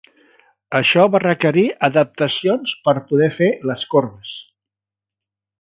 Això va requerir adaptacions per poder fer les corbes.